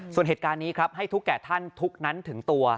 ส่วนเหตุการณ์นี้ครับให้ทุกแก่ท่านทุกนั้นถึงตัว